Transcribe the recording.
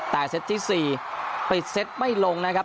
แต่เซตที่๔ปิดเซตไม่ลงนะครับ